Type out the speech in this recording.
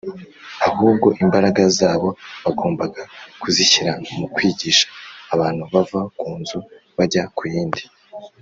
ahubwo imbaraga zabo bagombaga kuzishyira mu kwigisha abantu bava ku nzu bajya ku yindi